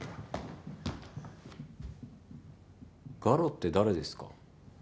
ガロって誰ですか？